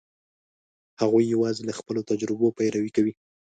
هغوی یواځې له خپلو تجربو پیروي کوي.